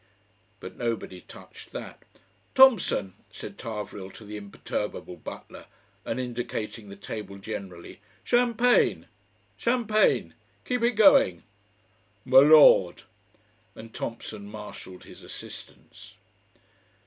But nobody touched that. "Thompson," said Tarvrille to the imperturbable butler, and indicating the table generally, "champagne. Champagne. Keep it going." "M'lord," and Thompson marshalled his assistants.